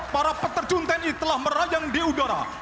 para peterjun tni telah merajang di udara